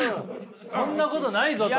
そんなことないぞと。